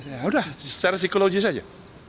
ya sudah secara psikologis saja